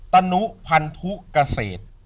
ตนุพันธุเกษตร